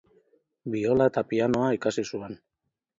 Biola eta pianoa ikasi zuen.